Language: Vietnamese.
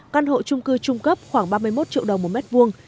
căn hộ trung cư trung cấp khoảng ba mươi một triệu đồng một mét vuông